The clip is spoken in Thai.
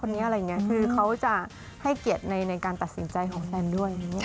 มันจะให้เกียรติในการตัดสินใจของแฟนด้วย